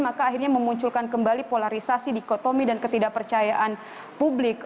maka akhirnya memunculkan kembali polarisasi dikotomi dan ketidakpercayaan publik